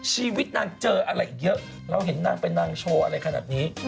ชีวิตนางเจออะไรอีกเยอะเราเห็นนางเป็นนางโชว์อะไรขนาดนี้